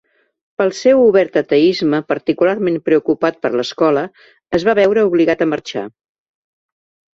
Pel seu obert ateisme particularment preocupat per l'escola, es va veure obligat a marxar.